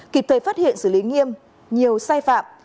kịp thời phát hiện xử lý nghiêm nhiều sai phạm